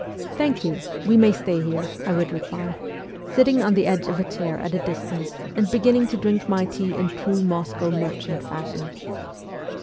' Thank you ; we may stay here,' I would reply, sitting on the edge of a chair at a distance, and beginning to drink my tea in true Moscow merchant fashion.